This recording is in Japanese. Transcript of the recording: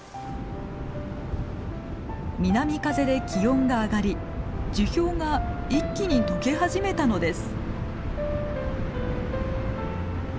南風で気温が上がり樹氷が一気に溶け始めたのです。